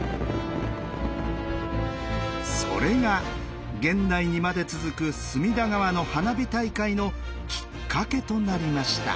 それが現代にまで続く隅田川の花火大会のきっかけとなりました。